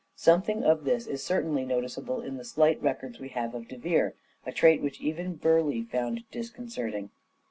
Something of this is certainly noticeable in the slight records we have of De Vere : a trait which even Burleigh found discon certing.